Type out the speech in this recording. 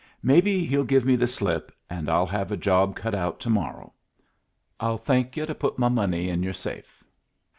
Maybe he'll give me the slip, and I'll have a job cut out to morrow. I'll thank yu' to put my money in your safe."